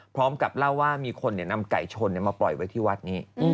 พร้อมกับเล่าว่ามีคนนำไก่ชนมาปล่อยไว้ที่วัดนี้